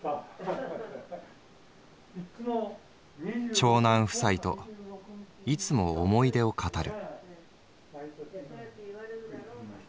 「長男夫妻といつも思い出を語る」。